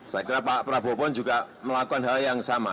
saya kira pak prabowo pun juga melakukan hal yang sama